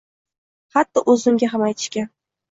Hatto oʻzimga ham aytishgan